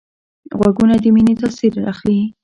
غوږونه د مینې تاثر اخلي